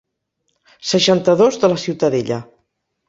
Seixanta-dos de la Ciutadella.